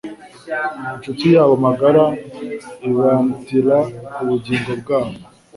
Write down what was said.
Inshuti yabo magara ibamtira ubugingo bwabo.